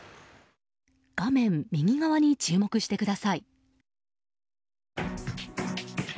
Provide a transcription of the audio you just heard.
画面右側に注目してください。